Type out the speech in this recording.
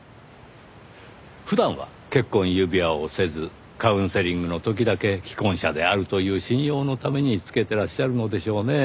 普段は結婚指輪をせずカウンセリングの時だけ既婚者であるという信用のためにつけてらっしゃるのでしょうねぇ。